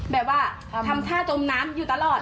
แบบว่าทำท่าจมน้ำอยู่ตลอด